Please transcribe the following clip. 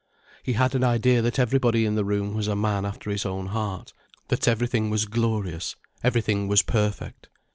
He had an idea that everybody in the room was a man after his own heart, that everything was glorious, everything was perfect.